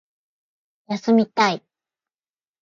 休みたい